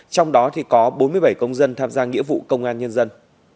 trong đó thì có bốn mươi bảy công dân tham gia nghĩa vụ công an nhân dân